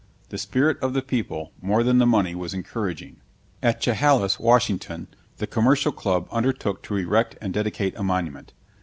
The spirit of the people, more than the money, was encouraging. At Chehalis, Washington, the Commercial Club undertook to erect and dedicate a monument.